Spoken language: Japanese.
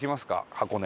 箱根。